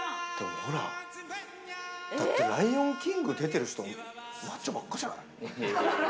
だって『ライオンキング』出てる人、マッチョばっかじゃない？